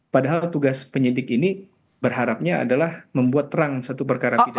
padahal tugas penyidik ini berharapnya adalah membuat terang satu perkara pidana